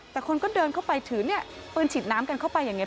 แต่คนก็เดินเข้าไปถือเนี่ยปืนฉีดน้ำกันเข้าไปอย่างนี้